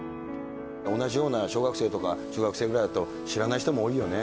同じような小学生とか中学生ぐらいだと、知らない人も多いよね。